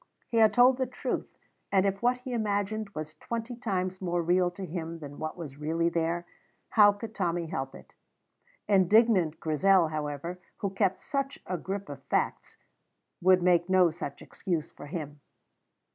He had told the truth, and if what he imagined was twenty times more real to him than what was really there, how could Tommy help it? Indignant Grizel, however, who kept such a grip of facts, would make no such excuse for him.